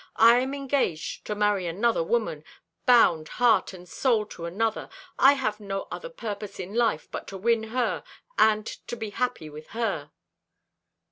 I am engaged to marry another woman bound heart and soul to another. I have no other purpose in life but to win her, and to be happy with her."